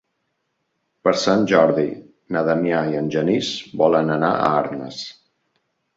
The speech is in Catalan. Per Sant Jordi na Damià i en Genís volen anar a Arnes.